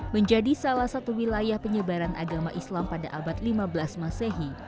menjadi salah satu wilayah penyebaran agama islam pada abad lima belas masehi